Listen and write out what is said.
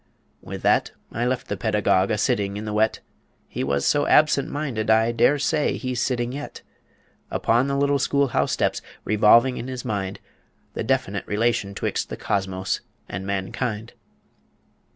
"With that I left the Pedagogue A sitting in the wet. He was so absent minded, I Dare say he's sitting yet "Upon the little school house steps, Revolving in his mind The definite relation 'twixt The cosmos and mankind."